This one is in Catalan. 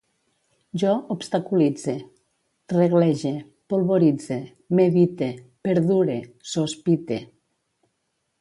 Jo obstaculitze, reglege, polvoritze, medite, perdure, sospite